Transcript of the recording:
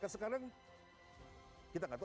sekarang kita gak tahu